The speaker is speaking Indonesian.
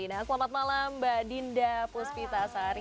nah selamat malam mbak dinda puspita sari